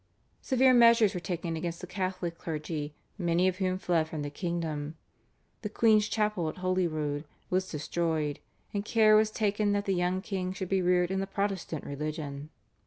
Severe measures were taken against the Catholic clergy many of whom fled from the kingdom. The queen's chapel at Holyrood was destroyed, and care was taken that the young king should be reared in the Protestant religion.